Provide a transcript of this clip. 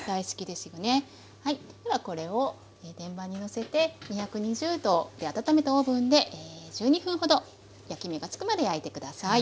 ではこれを天板にのせて２２０℃で温めたオーブンで１２分ほど焼き目がつくまで焼いて下さい。